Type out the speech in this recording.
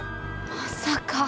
まさか。